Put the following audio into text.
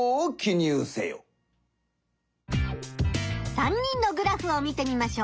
３人のグラフを見てみましょう。